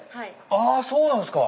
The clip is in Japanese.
あそうなんすか。